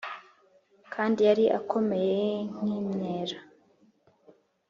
kandi yari akomeye nk’imyela